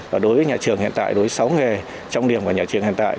và đối với nhà trường hiện tại đối với sáu nghề trọng điểm của nhà trường hiện tại